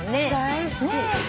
大好き。